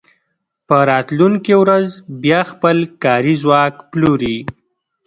په راتلونکې ورځ بیا خپل کاري ځواک پلوري